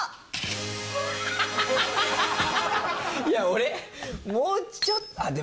いや俺もうちょっと。